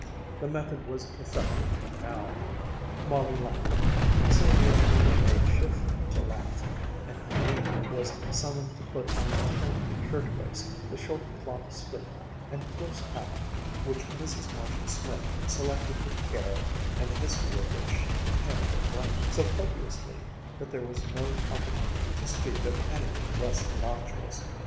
The method was effective now. Molly laughed. Sylvia even made shift to laugh; and Helene was summoned to put on the trim shirt waist, the short cloth skirt and close hat which Mrs. Marshall Smith selected with care and the history of which she detailed at length, so copiously that there was no opportunity to speak of anything less innocuous.